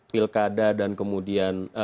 pilkada dan kemudian